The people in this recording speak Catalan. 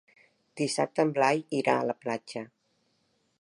Dissabte en Blai irà a la platja.